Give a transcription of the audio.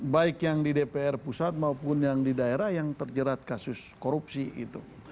baik yang di dpr pusat maupun yang di daerah yang terjerat kasus korupsi itu